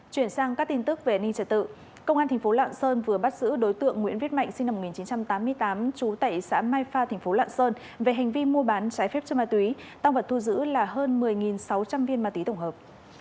công an tp lạng sơn vừa bắt giữ đối tượng nguyễn viết mạnh sinh năm một nghìn chín trăm tám mươi tám trú tại xã mai pha tp lạng sơn về hành vi mua bán trái phép chất ma túy tăng vật thu giữ là hơn một mươi sáu trăm linh viên ma túy tổng hợp